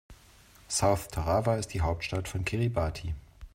South Tarawa ist die Hauptstadt von Kiribati.